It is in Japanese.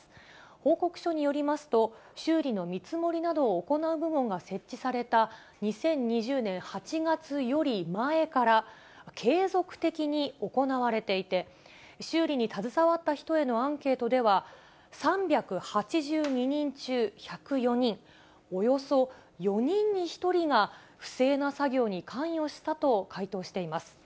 報告書によりますと、修理の見積もりなどを行う部門が設置された２０２０年８月より前から、継続的に行われていて、修理に携わった人へのアンケートでは、３８２人中１０４人、およそ４人に１人が、不正な作業に関与したと回答しています。